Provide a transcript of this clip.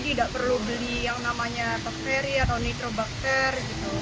jadi tidak perlu beli yang namanya tofteri atau nitrobakter